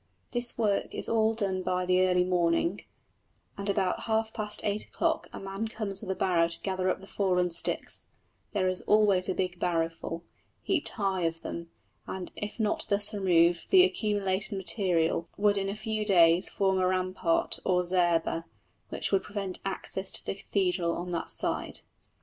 This work is all done in the early morning, and about half past eight o'clock a man comes with a barrow to gather up the fallen sticks there is always a big barrowful, heaped high, of them; and if not thus removed the accumulated material would in a few days form a rampart or zareba, which would prevent access to the cathedral on that side.